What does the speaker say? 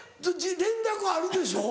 連絡あるでしょ？